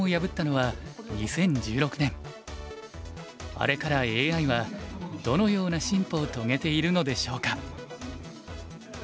あれからＡＩはどのような進歩を遂げているのでしょうか？